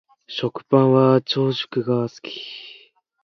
食パンは長熟が好き